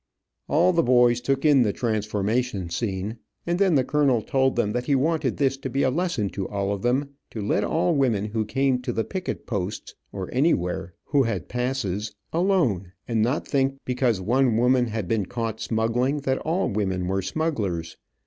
All the boys took in the transformation scene, and then the colonel told them that he wanted this to be a lesson to all of them, to let all women who came to the picket posts, or anywhere, who had passes, alone, and not think because one woman had been caught smuggling, that all women were smugglers.